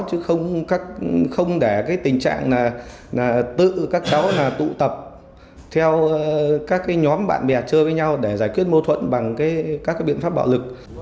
chứ không để tình trạng tự các cháu tụ tập theo các nhóm bạn bè chơi với nhau để giải quyết mâu thuẫn bằng các biện pháp bạo lực